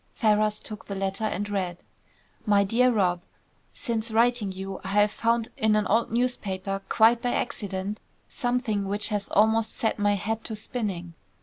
Ferrars took the letter and read: "MY DEAR ROB., Since writing you, I have found in an old newspaper, quite by accident, something which has almost set my head to spinning.